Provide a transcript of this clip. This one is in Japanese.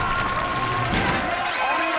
［お見事！